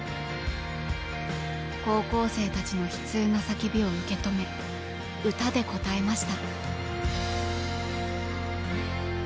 高校生たちの悲痛な叫びを受け止め歌で応えました。